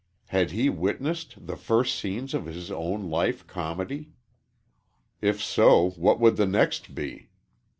Had he witnessed the first scenes of his own life comedy? If so, what would the next be?